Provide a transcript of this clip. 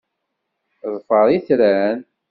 Ḍfer itran.